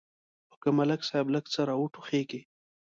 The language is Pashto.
خو که ملک صاحب لږ څه را وټوخېږي.